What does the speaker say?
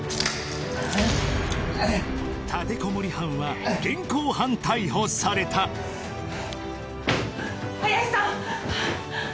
立てこもり犯は現行犯逮捕された林さん！